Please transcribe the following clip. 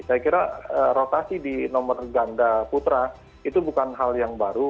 saya kira rotasi di nomor ganda putra itu bukan hal yang baru